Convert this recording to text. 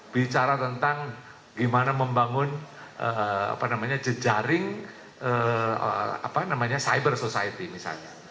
bicara tentang gimana membangun jejaring cyber society misalnya